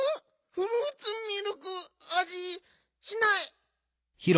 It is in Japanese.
フルーツミルクあじしない。